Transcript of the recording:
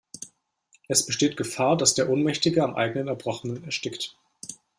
Es besteht Gefahr, dass der Ohnmächtige am eigenen Erbrochenen erstickt.